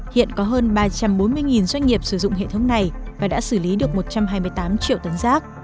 hiện có hơn ba trăm bốn mươi doanh nghiệp sử dụng hệ thống này và đã xử lý được một trăm hai mươi tám triệu tấn rác